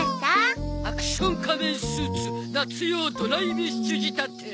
アクション仮面スーツ夏用ドライメッシュ仕立て。